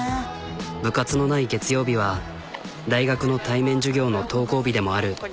部活のない月曜日は大学の対面授業の登校日でもある。